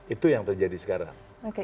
itu yang terjadi sekarang